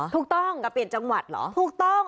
ถูกต้องก็เปลี่ยนจังหวัดเหรอถูกต้อง